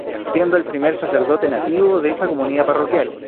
Siendo el primer sacerdote nativo de esa comunidad parroquial.